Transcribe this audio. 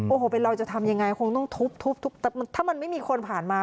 โอ้โหเป็นเราจะทำยังไงคงต้องทุบทุบแต่ถ้ามันไม่มีคนผ่านมา